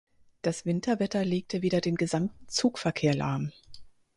Das Winterwetter legte wieder den gesamten Zugverkehr lahm.